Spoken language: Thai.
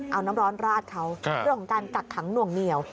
เอาน้ำร้อนราดเขาเรื่องของการกักขังหน่วงเหนียว